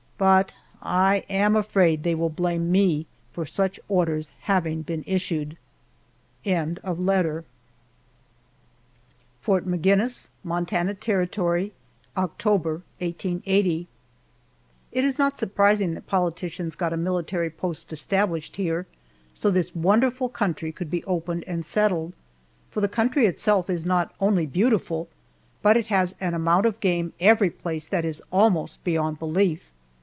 But I am afraid they will blame me for such orders having been issued. FORT MAGINNIS, MONTANA TERRITORY, October, 1880. IT is not surprising that politicians got a military post established here, so this wonderful country could be opened and settled, for the country itself is not only beautiful, but it has an amount of game every place that is almost beyond belief.